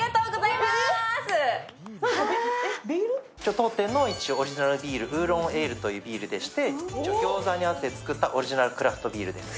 当店のオリジナルビール、ウーロンエールというビールでして、餃子に合わせて作ったオリジナルクラフトビールです。